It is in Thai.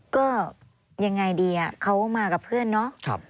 ก็ยังไงดีเขามากับเพื่อนเนาะ